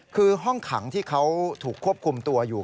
คือห้องขังที่เขาถูกควบคุมตัวอยู่